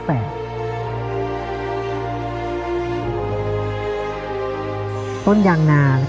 ต้นยางนาต้นมะม่วงหมาสนกนะครับ